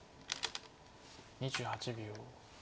２８秒。